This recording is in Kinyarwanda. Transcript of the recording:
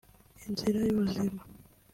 Inzira y’ubuzima